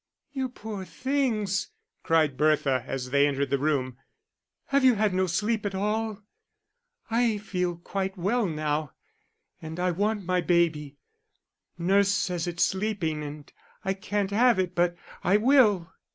"You poor things," cried Bertha, as they entered the room. "Have you had no sleep at all?... I feel quite well now, and I want my baby. Nurse says it's sleeping and I can't have it but I will.